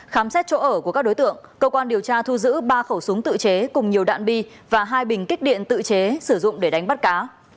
khám xét chỗ ở của các đối tượng cơ quan điều tra thu giữ ba khẩu súng tự chế cùng nhiều đạn bi và hai bình kích điện tự chế sử dụng để đánh bắt cá